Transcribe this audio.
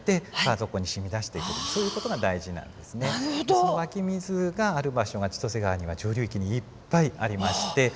その湧き水がある場所が千歳川には上流域にいっぱいありまして。